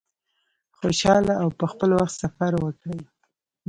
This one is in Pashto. خوشحاله او په خپل وخت سفر وکړی.